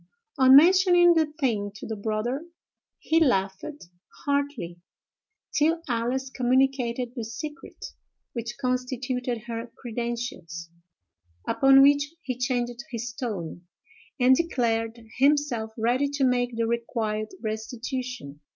On mentioning the thing to the brother, he laughed heartily, till Alice communicated the secret which constituted her credentials, upon which he changed his tone, and declared himself ready to make the required restitution.